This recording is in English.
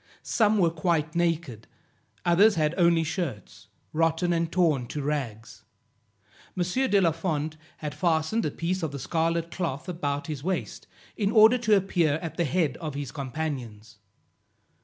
Some were quite naked; others had only shirts, rotten and torn to rags. M. de la Fond had fastened a piece of the scarlet cloth about his waist, in order to appear at the head of his companions.